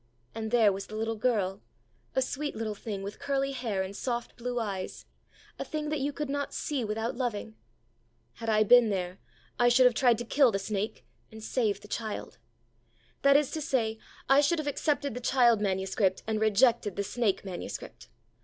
And there was the little girl, a sweet little thing with curly hair and soft blue eyes, a thing that you could not see without loving. Had I been there, I should have tried to kill the snake and save the child. That is to say, I should have accepted the child manuscript, and rejected the snake manuscript.